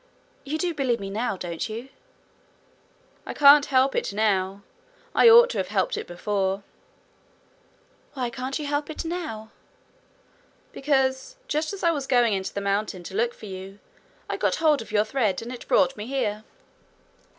You do believe me now, don't you?' 'I can't help it now. I ought to have helped it before.' 'Why can't you help it now?' 'Because, just as I was going into the mountain to look for you, I got hold of your thread, and it brought me here.'